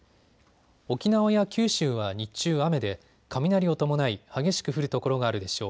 沖縄や九州は日中雨で雷を伴い激しく降る所があるでしょう。